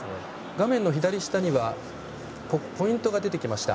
画面の左下にはポイントが出てきました。